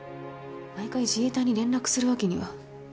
毎回自衛隊に連絡するわけには。